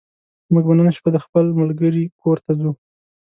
موږ به نن شپه د خپل ملګرې کور ته ځو